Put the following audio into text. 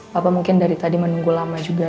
bapak mungkin dari tadi menunggu lama juga